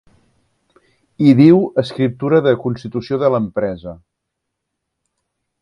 Hi diu escriptura de constitució de l'empresa.